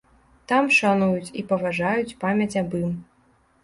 Там шануюць і паважаюць памяць аб ім.